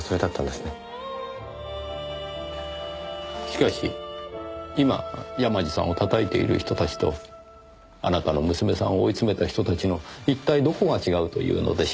しかし今山路さんを叩いている人たちとあなたの娘さんを追い詰めた人たちの一体どこが違うというのでしょう？